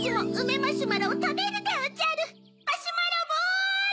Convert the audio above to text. マシュマロボル！